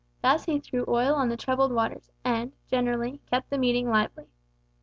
Thus he threw oil on the troubled waters, and, generally, kept the meeting lively.